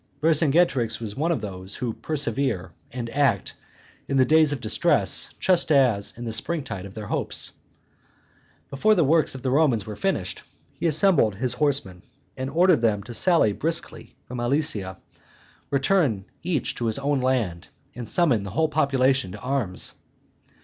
Vercingetorix was one of those who persevere and act in the days of distress just as in the spring tide of their hopes. Before the works of the Romans were finished, he assembled his horsemen, and ordered them to sally briskly from Alesia, return each to his own land, and summon the whole population to arms.